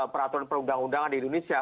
peraturan perundang undangan di indonesia